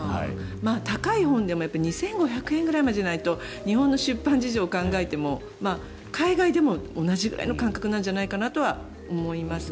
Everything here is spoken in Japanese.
高い本でも２５００円ぐらいまでじゃないと日本の出版事情を考えても海外でも同じぐらいの感覚なんじゃないかと思います。